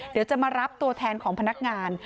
เดี๋ยวจะมารับตัวแทนของพนักงาน